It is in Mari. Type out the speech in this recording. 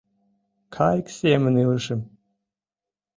Кайык семын илышым.